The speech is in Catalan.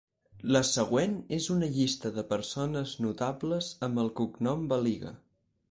La següent és una llista de persones notables amb el cognom Baliga.